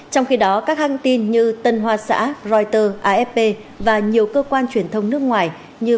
trong khi đó các hãng tin như tân hoa xã reuters afp và nhiều cơ quan truyền thông nước ngoài như